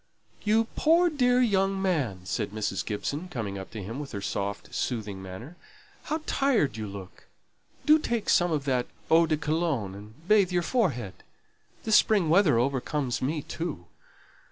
"You poor dear young man," said Mrs. Gibson, coming up to him with her soft, soothing manner; "how tired you look! Do take some of that eau de Cologne and bathe your forehead. This spring weather overcomes me too.